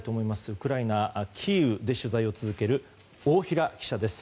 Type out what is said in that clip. ウクライナ・キーウで取材を続ける大平記者です。